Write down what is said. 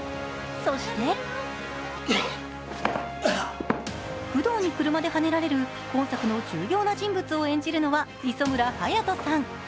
そして工藤に車ではねられる本作の重要な人物を演じるのは磯村勇斗さん。